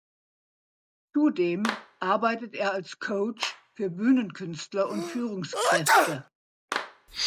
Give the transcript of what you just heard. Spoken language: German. Zudem arbeitet er als Coach für Bühnenkünstler und Führungskräfte.